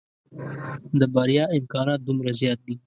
د بريا امکانات دومره زيات دي.